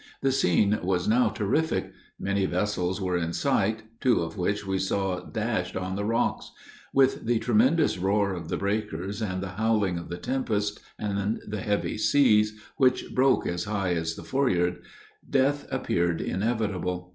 The scene was now terrific; many vessels were in sight, two of which we saw dashed on the rocks; with the tremendous roar of the breakers, and the howling of the tempest, and the heavy sea, which broke as high as the fore yard, death appeared inevitable.